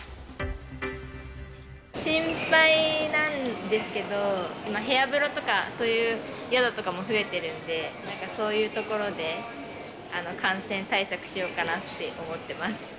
心配なんですけど、今部屋風呂とか、そういう宿とかも増えてるんで、なんかそういうところで、感染対策しようかなって思ってます。